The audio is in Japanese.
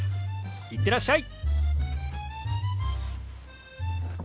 行ってらっしゃい！